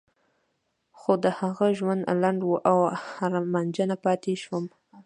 خو د هغه ژوند لنډ و او ارمانجنه پاتې شوم.